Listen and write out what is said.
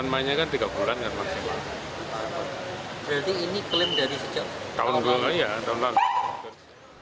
pemprov jawa tengah berharap tunggakan klaim bisa segera diselesaikan oleh bpjs